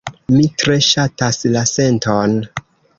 Mi tre ŝatas la senton.